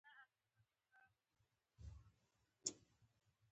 د افغانستان کلتوري ارزښتونه په پښتني دودونو ولاړ دي.